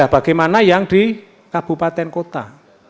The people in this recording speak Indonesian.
bagaimana yang di kabupaten kota